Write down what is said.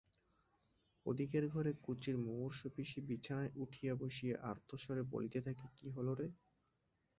ওদিকের ঘরে কুঁচির মুমূর্ষ পিসি বিছানায় উঠিয়া বসিয়া আর্তস্বরে বলিতে থাকে কী হল রে?